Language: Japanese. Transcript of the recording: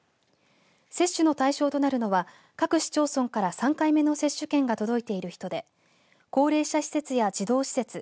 接種の対象となるのは各市町村から３回目の接種券が届いている人で高齢者施設や児童施設